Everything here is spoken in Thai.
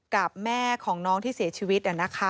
กับแม่ของน้องที่เสียชีวิต